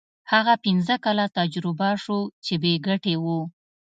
هغه پنځه کاله تجربه شو چې بې ګټې وو.